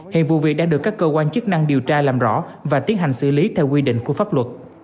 hiện vụ việc đang được các cơ quan chức năng điều tra làm rõ và tiến hành xử lý theo quy định của pháp luật